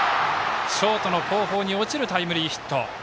ショートの後方に落ちるタイムリーヒット。